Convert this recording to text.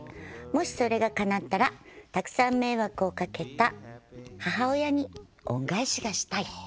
もしそれがかなったらたくさん迷惑をかけた母親に恩返しがしたい。